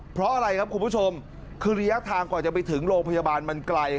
เพราะอะไรครับคุณผู้ชมคือระยะทางกว่าจะไปถึงโรงพยาบาลมันไกล